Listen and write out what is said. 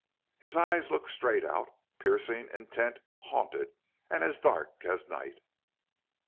His eyes looked straight out, piercing, intent, haunted, and as dark as night.